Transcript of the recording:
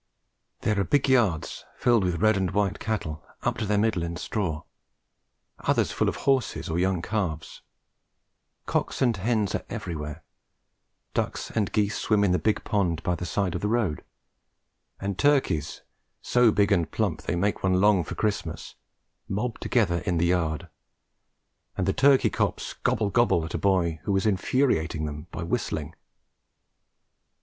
There are big yards filled with red and white cattle up to their middle in straw, others full of horses or young calves; cocks and hens are everywhere, ducks and geese swim in the big pond by the side of the road, and turkeys, so big and plump they make one long for Christmas, mob together in the yard, and the turkey cocks "gobble gobble" at a boy who is infuriating them by whistling.